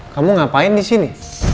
kamu ngapain di sini